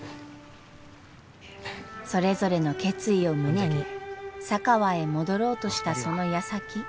それぞれの決意を胸に佐川へ戻ろうとしたそのやさき。